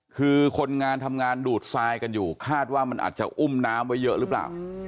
คือคนงานทำงานดูดทรายกันอยู่คาดว่ามันอาจจะอุ้มน้ำไว้เยอะหรือเปล่า